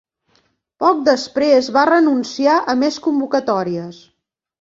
Poc després va renunciar a més convocatòries.